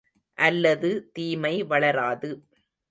அல்லது தீமை வளராது.